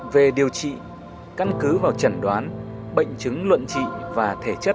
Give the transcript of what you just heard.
về điều trị căn cứ vào chẩn đoán bệnh chứng luận trị và thể chất